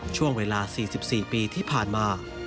ช่วงเวลา๔๔ปีที่ผ่านมา